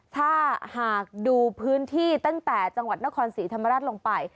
ถ้าหากดูพื้นที่ตั้งแต่จังหวัดนครศรีธรรมราชลงไป